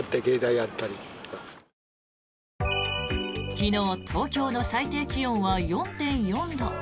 昨日東京の最低気温は４．４度。